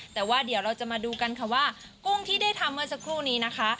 แต่ว่าเดี๋ยวเราจะมาดูกันค่ะว่ากุ้งที่ได้ทำเมื่อสักครู่นี้นะคะ